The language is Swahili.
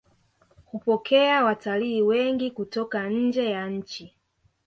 hupokea watalii wengi kutoka njee ya nchi